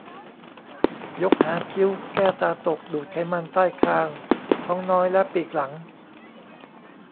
ยกหางคิ้ว แก้ตาตก ดูดไขมันใต้คาง ท้องน้อย และปีกหลัง